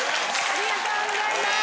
ありがとうございます。